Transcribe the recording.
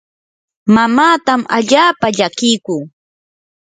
mamaatam allaapa llakiyku.